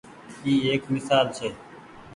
اي ايڪ ميسال ڇي۔